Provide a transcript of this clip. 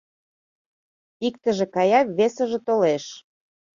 Иктыже кая, весыже толеш.